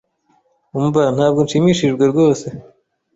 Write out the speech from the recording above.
Umva, ntabwo nshimishijwe rwose.